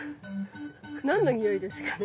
何のにおいですかね？